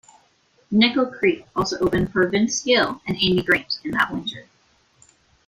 Nickel Creek also opened for Vince Gill and Amy Grant in that winter.